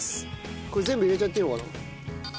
これ全部入れちゃっていいのかな？